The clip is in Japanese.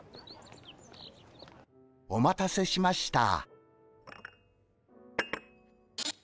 お待たせしました。